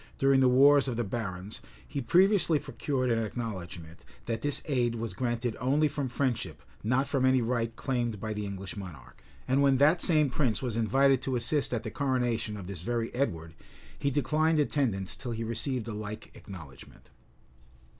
during the wars of the barons, he previously procured an acknowledgment, that this aid was granted only from friendship, not from any right claimed by the English monarch;[] and when that same prince was invited to assist at the coronation of this very Edward, he declined attendance till he received a like acknowledgment.